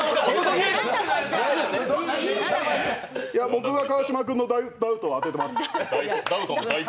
僕が川島君のダウトを当てます。